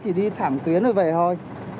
chỉ đi thảm tuyến rồi về thôi